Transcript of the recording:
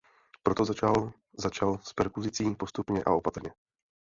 Proto začal začal s perzekucí postupně a opatrně.